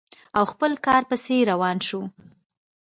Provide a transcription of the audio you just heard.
او خپل کار پسې روان شو.